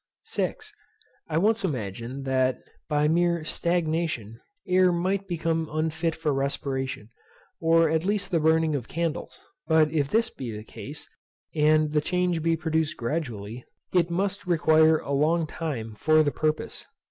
6. I once imagined that, by mere stagnation, air might become unfit for respiration, or at least the burning of candles; but if this be the case, and the change be produced gradually, it must require a long time for the purpose.